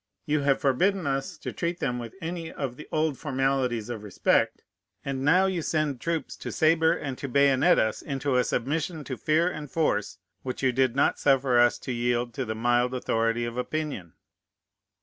You have forbidden us to treat them with any of the old formalities of respect; and now you send troops to sabre and to bayonet us into a submission to fear and force which you did not suffer us to yield to the mild authority of opinion."